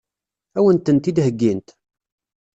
Ad wen-tent-id-heggint?